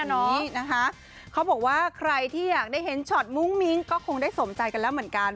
ตอนนี้นะคะเขาบอกว่าใครที่อยากได้เห็นช็อตมุ้งมิ้งก็คงได้สมใจกันแล้วเหมือนกัน